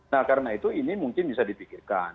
nah karena itu ini mungkin bisa dipikirkan